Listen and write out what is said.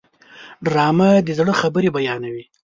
ډرامه د زړه خبرې بیانوي